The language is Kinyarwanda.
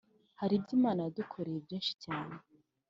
Haribyo imana yadukorerye byinshi cyane